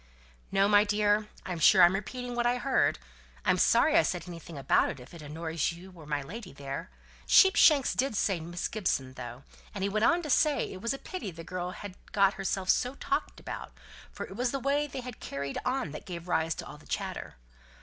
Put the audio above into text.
"No, my dear. I'm sure I'm repeating what I heard. I'm sorry I said anything about it, if it annoys you or my lady there. Sheepshanks did say Miss Gibson, though, and he went on to say it was a pity the girl had got herself so talked about; for it was the way they had carried on that gave rise to all the chatter.